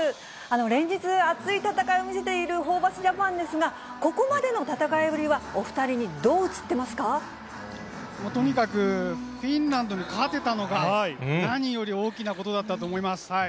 連日、熱い戦いを見せているホーバスジャパンですが、ここまでの戦いぶりはお２人にはどう映ってもうとにかく、フィンランドに勝てたのが、何より大きいことだったと思います。